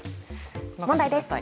問題です。